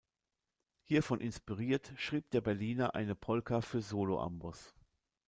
Hiervon inspiriert schrieb der Berliner eine Polka für „Solo-Amboss“.